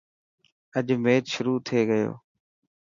اڄ ميچ شروع ٿي گيو.